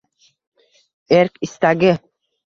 Erk istagi